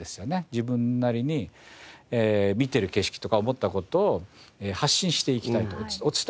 自分なりに見てる景色とか思った事を発信していきたいとお伝えしていきたいと。